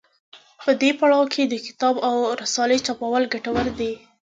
په دې پړاو کې د کتاب او رسالې چاپول ګټور دي.